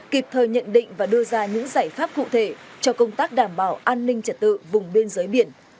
kịp thời nhận định và đưa ra những giải pháp cụ thể cho công tác đảm bảo an ninh trật tự vùng biên giới biển